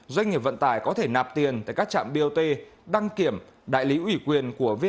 doanh nghiệp vận tải có thể nạp tiền tại các trạm bot đăng kiểm đại lý ủy quyền của vn